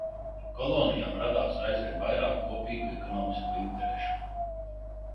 Kolonijām radās aizvien vairāk kopīgu ekonomisko interešu.